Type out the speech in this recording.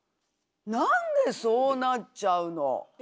「なんでそうなっちゃうの？」。